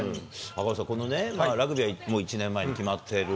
赤星さん、このラグビーはもう１年前に決まってる。